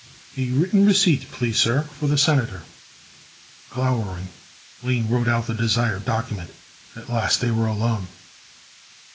"A written receipt, please, sir, for the senator." Glowering, Lane wrote out the desired document. At last they were alone.